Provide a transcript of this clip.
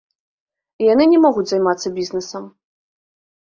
І яны не могуць займацца бізнесам.